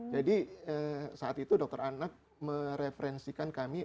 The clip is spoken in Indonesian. jadi saat itu dokter anak mereferensikan kami